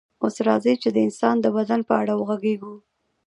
اوس راځئ چې د انسان د بدن په اړه وغږیږو